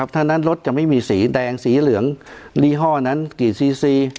ถ้านั้นรถจะไม่มีสีแดงสีเหลืองยี่ห้อนั้นกี่ซีซี